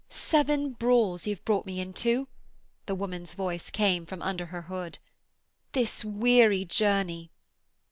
'Seven brawls y' have brought me into,' the woman's voice came from under her hood, 'this weary journey.'